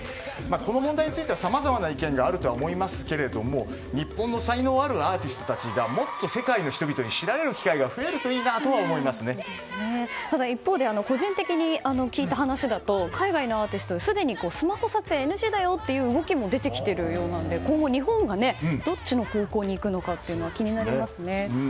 この問題についてはさまざまな意見があるとは思いますけども日本の才能あるアーティストたちがもっと世界の人々に知られる機会が増えるといいなただ、一方で個人的に聞いた話だと海外のアーティストすでにスマホ撮影ＮＧだよという動きも出てきているようなので、今後日本がどっちの方向に行くのか気になりますね。